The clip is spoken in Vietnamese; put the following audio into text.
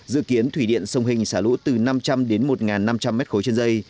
dự kiến thủy điện sông hình xả lũ từ năm trăm linh đến một năm trăm linh m ba trên dây